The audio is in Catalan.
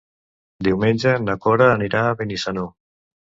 Diumenge na Cora anirà a Benissanó.